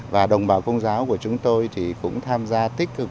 và đồng bào công giáo của chúng tôi thì cũng tham gia tích cực